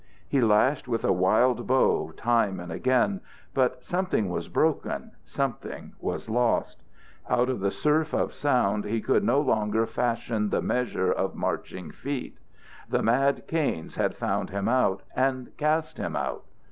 He lashed with a wild bow, time and again. But something was broken, something was lost: out of the surf of sound he could no longer fashion the measure of marching feet. The mad Kains had found him out, and cast him out.